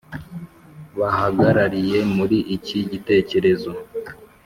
bahagarariye muri iki gitekerezo.